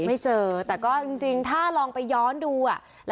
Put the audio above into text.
ไม่เจอแต่ก็จริงถ้าลองไปย้อนดูอ่ะ